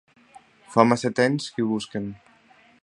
Fa massa temps que ho busquen.